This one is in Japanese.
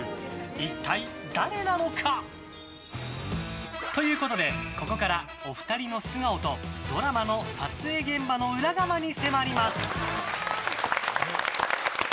一体、誰なのか？ということで、ここからお二人の素顔とドラマの撮影現場の裏側に迫ります！